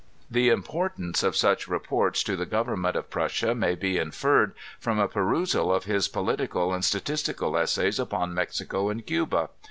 The importance of such reports to the government of Prussia may be interred from a perusal of his political and statis tical essays upon Mexico and Cuba.